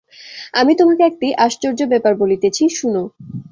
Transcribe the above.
আমি তোমাকে একটি আশ্চর্য ব্যাপার বলিতেছি, শুন।